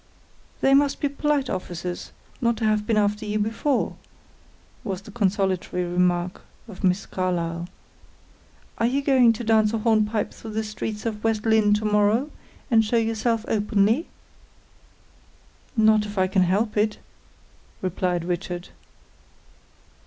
"They must be polite officers, not to have been after you before," was the consolatory remark of Miss Carlyle. "Are you going to dance a hornpipe through the streets of West Lynne to morrow, and show yourself openly?" "Not if I can help it," replied Richard.